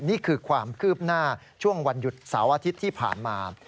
นี่คือความคืบหน้าช่วงวันหยุดเสาร์อาทิตย์ที่ผ่านมา